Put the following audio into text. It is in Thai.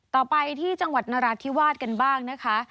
ต่อไปที่จังหวัดนราธิวาสกันบ้างนะคะ